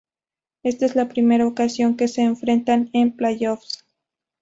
Ésta es la primera ocasión que se enfrentan en playoffs.